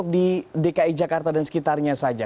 di dki jakarta dan sekitarnya saja